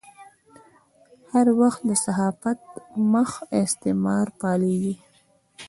د هر وخت د صحافت مخ استعمار فعالېږي.